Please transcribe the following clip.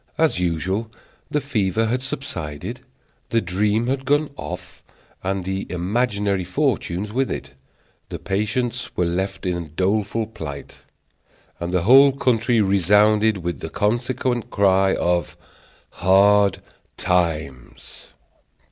As usual, the fever had subsided, the dream had gone off, and the imaginary fortunes with it; the patients were left in doleful plight, and the whole country resounded with the consequent cry of "hard times."